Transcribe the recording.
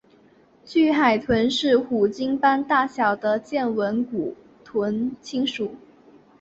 巨海豚是虎鲸般大小的剑吻古豚亲属。